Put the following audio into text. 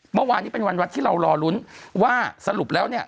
เมื่อวานนี้เป็นวันวัดที่เรารอลุ้นว่าสรุปแล้วเนี่ย